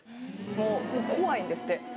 もう怖いんですって。